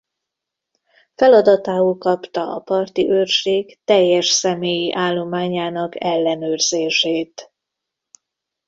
Feladatául kapta a Parti Őrség teljes személyi állományának ellenőrzését.